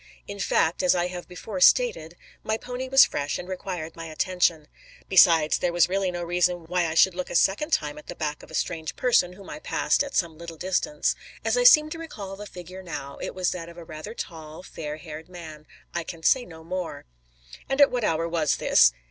In fact, as I have before stated, my pony was fresh, and required my attention. Besides, there was really no reason why I should look a second time at the back of a strange person whom I passed at some little distance. As I seem to recall the figure now, it was that of a rather tall, fair haired man. I can say no more." "And at what hour was this?"